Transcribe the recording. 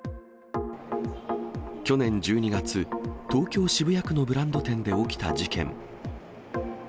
去年１２月、東京・渋谷区のブランド店で起きた事件。